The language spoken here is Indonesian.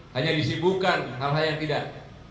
hanya disibukan hal hal yang tidak